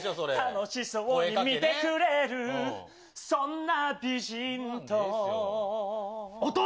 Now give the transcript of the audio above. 楽しそうに見てくれる、そんな美人と。